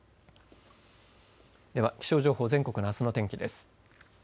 では気象情報全国のあすの天気です。